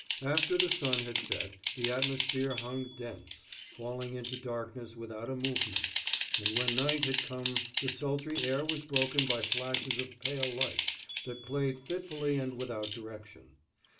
After the sun had set the atmosphere hung dense, falling into darkness without a movement, and when night had come the sultry air was broken by flashes of pale light, that played fitfully and without direction.